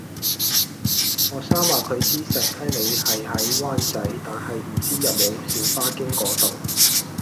學生話佢知石溪里係喺灣仔，但係唔知有冇小巴經嗰度